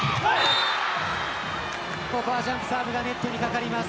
ここはジャンプサーブがネットに掛かります。